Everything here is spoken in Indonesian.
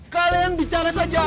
kalian bicara saja